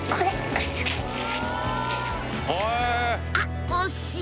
あっ惜しい！